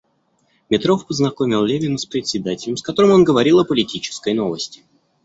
Метров познакомил Левина с председателем, с которым он говорил о политической новости.